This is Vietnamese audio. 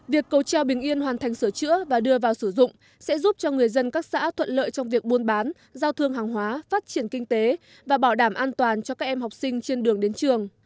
việc cầu treo bình yên hoàn thành sửa chữa và đưa vào sử dụng sẽ giúp cho người dân các xã thuận lợi trong việc buôn bán giao thương hàng hóa phát triển kinh tế và bảo đảm an toàn cho các em học sinh trên đường đến trường